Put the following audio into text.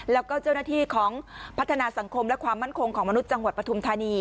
แล้วก็เจ้าหน้าที่ของพัฒนาสังคมและความมั่นคงของมนุษย์จังหวัดปฐุมธานี